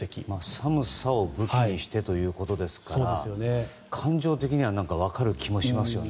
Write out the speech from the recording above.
寒さを武器にしてということですから感情的には分かる気がしますよね。